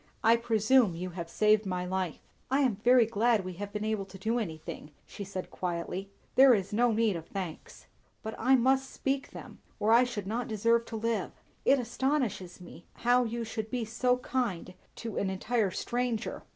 "I presume you have saved my life." "I am very glad we have been able to do anything," she said quietly. "There is no need of thanks." "But I must speak them, or I should not deserve to live. It astonishes me, how you should be so kind to an entire stranger."